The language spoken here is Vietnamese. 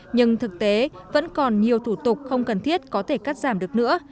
nhưng thực tế vẫn còn nhiều thủ tục không cần thiết có thể cắt giảm được nữa